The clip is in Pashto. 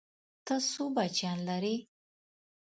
ته څو بچيان لرې؟